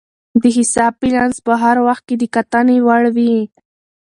د حساب بیلانس په هر وخت کې د کتنې وړ وي.